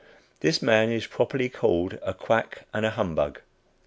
This man is properly called a quack and a humbug.